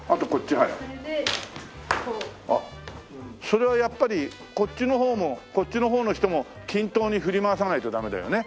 それはやっぱりこっちの方のこっちの方の人も均等に振り回さないとダメだよね。